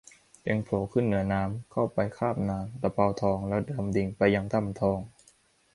จึงโผล่ขึ้นเหนือน้ำเข้าไปคาบนางตะเภาทองแล้วดำดิ่งไปยังถ้ำทอง